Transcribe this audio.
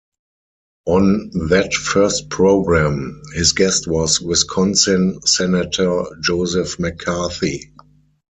On that first program, his guest was Wisconsin senator Joseph McCarthy.